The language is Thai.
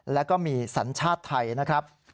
แล้วก็มีสัญชาติไทยนะครับ